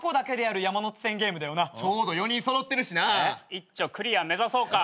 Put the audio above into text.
いっちょクリア目指そうか。